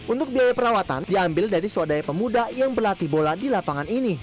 untuk biaya perawatan diambil dari swadaya pemuda yang berlatih bola di lapangan ini